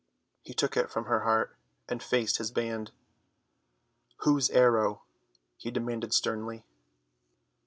He took it from her heart and faced his band. "Whose arrow?" he demanded sternly.